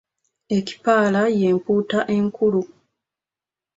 Ekipaala y'empuuta enkulu.